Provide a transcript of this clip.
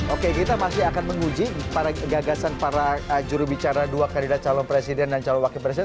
oke kita masih akan menguji gagasan para jurubicara dua kandidat calon presiden dan calon wakil presiden